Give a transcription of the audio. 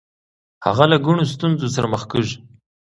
هغه له ګڼو ستونزو سره مخ کیږي.